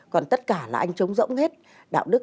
còn tất cả là anh trống rỗng hết đạo đức